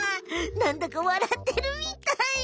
なんだかわらってるみたい！ねえ？